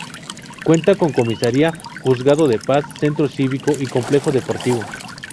Cuenta con comisaría, juzgado de paz, centro cívico y complejo deportivo.